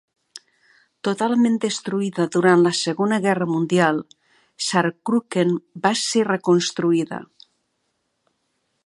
Totalment destruïda durant la Segona Guerra Mundial, Saarbrücken va ser reconstruïda.